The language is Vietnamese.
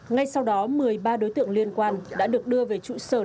ngay sau đó một mươi ba đối tượng liên quan đã được đưa về trụ sở